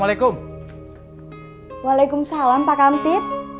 waalaikumsalam pak amtit